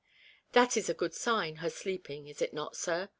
" That is a good sign, her sleeping, is it not, sir?"